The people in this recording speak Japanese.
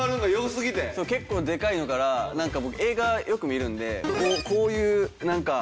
結構でかいのからなんか僕映画よく見るのでこういうなんかＵ形の。